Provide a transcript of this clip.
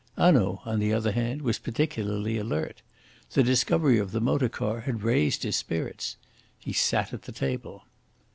Hanaud, on the other hand, was particularly alert. The discovery of the motor car had raised his spirits. He sat at the table.